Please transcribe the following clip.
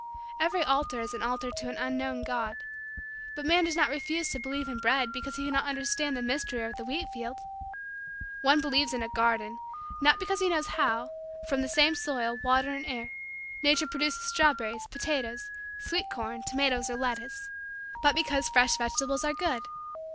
Every altar is an altar to an unknown God. But man does not refuse to believe in bread because he cannot understand the mystery of the wheat field. One believes in a garden, not because he knows how, from the same soil, water, and air, Nature produces strawberries, potatoes, sweet corn, tomatoes, or lettuce, but because fresh vegetables are good.